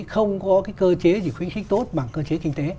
không có cái cơ chế chỉ khuyến khích tốt bằng cơ chế kinh tế